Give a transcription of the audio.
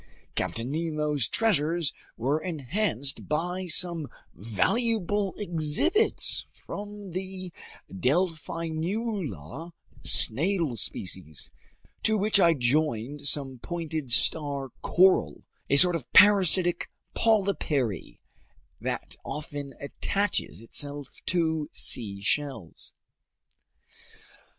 Captain Nemo's treasures were enhanced by some valuable exhibits from the delphinula snail species, to which I joined some pointed star coral, a sort of parasitic polypary that often attaches itself to seashells.